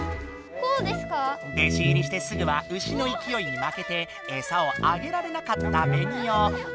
弟子入りしてすぐは牛のいきおいにまけてエサをあげられなかったベニオ。